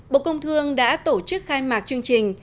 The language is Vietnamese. bộ công thương đã tổ chức khai mạc chương trình